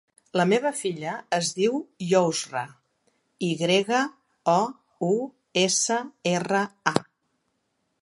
La meva filla es diu Yousra: i grega, o, u, essa, erra, a.